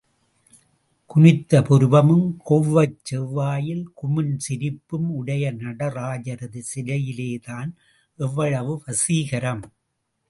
குனித்த புருவமும், கொவ்வைச் செவ்வாயில் குமிண் சிரிப்பும் உடைய நடராஜரது சிலையிலேதான் எவ்வளவு வசீகரம்!